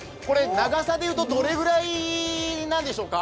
長さでいうとどれくらいなんでしょうか？